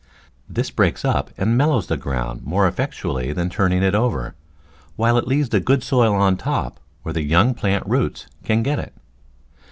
This breaks up and mellows the ground more effectu ally than turning it over, while it leaves the good soil on top where the young plant roots can get it.